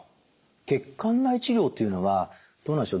血管内治療というのはどうなんでしょう？